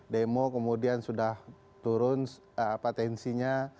demo kemudian sudah turun potensinya